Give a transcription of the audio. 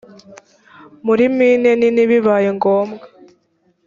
muri mine nini bibaye ngombwa